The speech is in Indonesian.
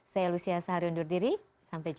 saya lucia saharundur diri sampai jumpa